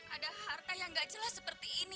ada harta yang gak jauh